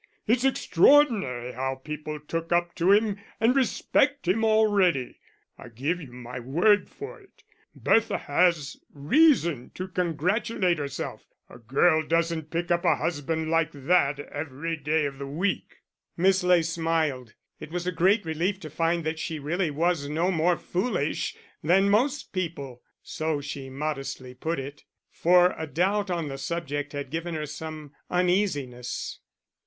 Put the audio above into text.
It's extraordinary how people took up to him and respect him already.... I give you my word for it, Bertha has reason to congratulate herself a girl doesn't pick up a husband like that every day of the week." Miss Ley smiled; it was a great relief to find that she really was no more foolish than most people (so she modestly put it), for a doubt on the subject had given her some uneasiness.